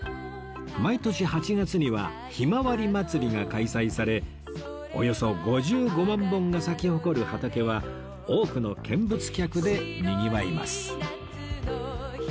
毎年８月にはひまわりまつりが開催されおよそ５５万本が咲き誇る畑は多くの見物客でにぎわいます